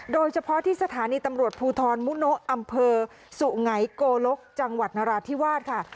โดยเฉพาะที่สถานีตำรวจภูทรมุโนอำเภอสุไงโกลกจังหวัดนราธิวาสค่ะ